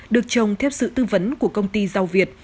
được trồng theo sự tư vấn của công ty rau việt